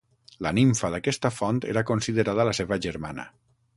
La nimfa d'aquesta font era considerada la seva germana.